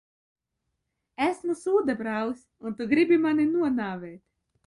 Esmu sūdabrālis, un tu gribi mani nonāvēt?